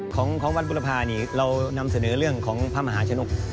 ของวัดบุรพานี่เรานำเสนอเรื่องของพระมหาชนก